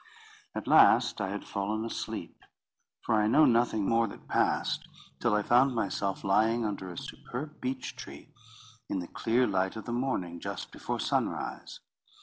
At last I had fallen asleep; for I know nothing more that passed till I found myself lying under a superb beech tree, in the clear light of the morning, just before sunrise.